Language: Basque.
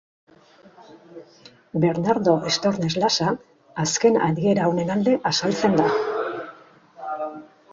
Bernardo Estornes Lasa, azken adiera honen alde azaltzen da.